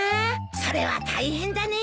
それは大変だね。